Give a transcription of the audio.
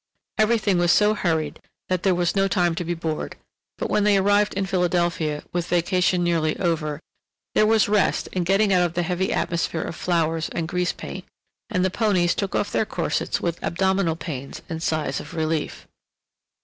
Everything was so hurried that there was no time to be bored, but when they arrived in Philadelphia, with vacation nearly over, there was rest in getting out of the heavy atmosphere of flowers and grease paint, and the ponies took off their corsets with abdominal pains and sighs of relief.